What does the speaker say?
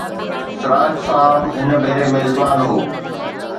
سراج صاحب هن ڀيري ميزبان هو.